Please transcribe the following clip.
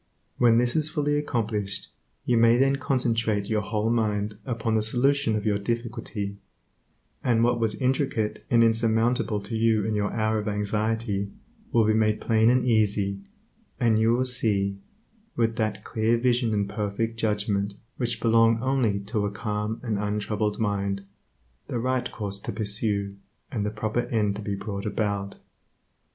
When this is fully accomplished, you may then concentrate your whole mind upon the solution of your difficulty, and what was intricate and insurmountable to you in your hour of anxiety will be made plain and easy, and you will see, with that clear vision and perfect judgment which belong only to a calm and untroubled mind, the right course to pursue and the proper end to be brought about.